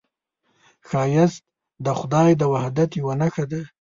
ښایست د خدای د وحدت یوه نښه ده